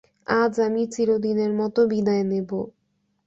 আজ আমি চিরদিনের মতো বিদায় নেব।